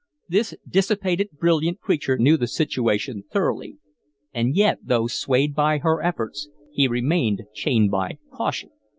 This dissipated, brilliant creature knew the situation thoroughly; and yet, though swayed by her efforts, he remained chained by caution.